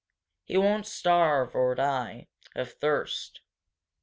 He won't starve or die of thirst.